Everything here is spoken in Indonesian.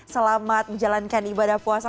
selamat menjalankan ibadah puasa